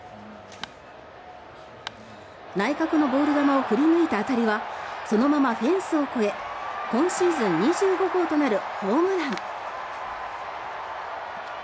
内角のボール球を振り抜いた当たりはそのままフェンスを越え今シーズン２５号となるホームラン。